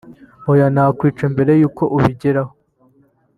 oya nakwica mbere y’uko ubigeraho